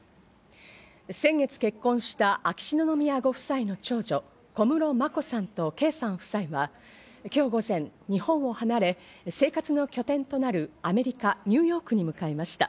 先月結婚した秋篠宮ご夫妻の長女・小室眞子さんと圭さん夫妻は、今日午前、日本を離れ、生活の拠点となるアメリカニューヨークに向かいました。